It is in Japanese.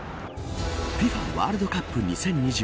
ＦＩＦＡワールドカップ２０２２。